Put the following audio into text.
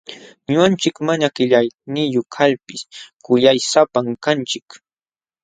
Ñuqanchik mana qillayniyuq kalpis kuyaysapam kanchik.